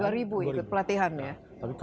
dua ribu ikut pelatihan ya